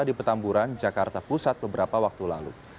di petamburan jakarta pusat beberapa waktu lalu